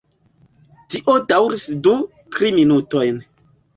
Tio daŭris du, tri minutojn.